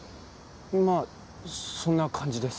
まあそんな感じです。